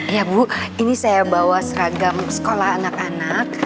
ya bu ini saya bawa seragam sekolah anak anak